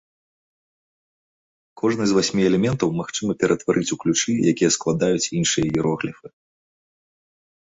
Кожны з васьмі элементаў магчыма пераўтварыць у ключы, якія складаюць іншыя іерогліфы.